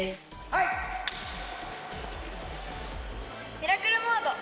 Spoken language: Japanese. ミラクルモード！